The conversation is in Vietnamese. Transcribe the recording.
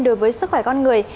đối với sức khỏe con người